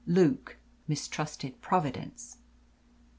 Luke mistrusted Providence.